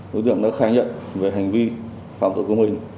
đối tượng đã khai nhận về hành vi phạm tội công hình